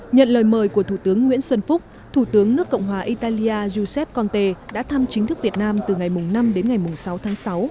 nhận lời mời của thủ tướng nguyễn xuân phúc thủ tướng nước cộng hòa italia giuseppe conte đã thăm chính thức việt nam từ ngày năm đến ngày sáu tháng sáu